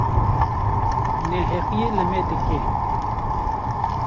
neheqiyê li me dike.